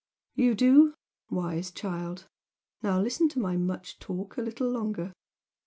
"You do? Wise child! Now listen to my much talk a little longer!